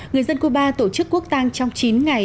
người dân cuba tổ chức quốc tang trong chín ngày